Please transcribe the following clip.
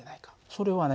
それはね